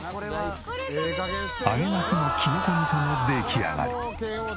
揚げナスのキノコ味噌の出来上がり。